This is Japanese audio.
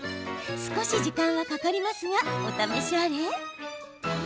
少し時間はかかりますがお試しあれ。